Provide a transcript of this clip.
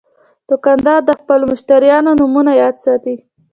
دوکاندار د خپلو مشتریانو نومونه یاد ساتي.